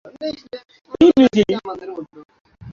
গ্রেফতারের কয়েক সপ্তাহ পরে কারাগারে মৃত্যুবরণ করেন তিনি।